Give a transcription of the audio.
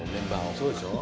そうでしょ。